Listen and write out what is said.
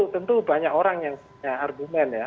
tentu banyak orang yang punya argumen ya